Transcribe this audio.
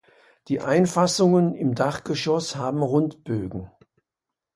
Die Einfassungen im Dachgeschoss haben Rundbögen.